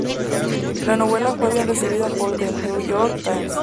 La novela fue bien recibida por "The New York Times.